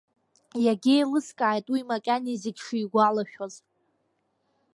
Иагьеилыскааит уи макьана зегь шигәалашәоз.